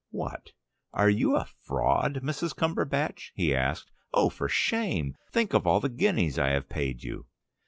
"What? Are you a fraud, Mrs. Cumberbatch?" he asked. "Oh, for shame! Think of all the guineas I have paid you."